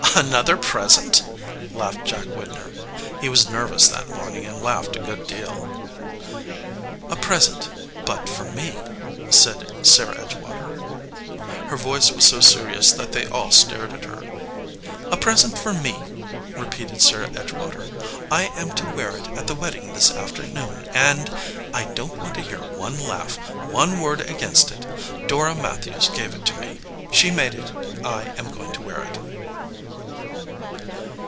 "Another present?" laughed Jack Widner. He was nervous that morning and laughed a good deal. "A present ; but for me," said Sarah Edgewater. Her voice was so serious that they all stared at her. "A present for me," repeated Sarah Edgewater. "I am to wear it at the wedding this afternoon, 96 VALUE RECEIVED and I don t want to hear one laugh, one word against it. Dora Matthews gave it to me. She made it ; I am going to wear it."